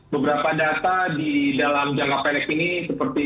beberapa data di dalam jangka pendek ini seperti